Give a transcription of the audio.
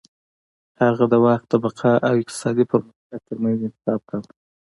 هغه د واک د بقا او اقتصادي پرمختګ ترمنځ انتخاب کاوه.